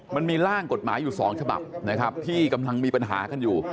มันมีร่างกฎหมายอยู่สองฉบับนะครับที่กำลังมีปัญหากันอยู่